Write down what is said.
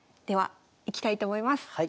ではいきたいと思います。